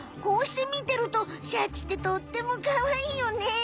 こうして見てるとシャチってとってもかわいいよね。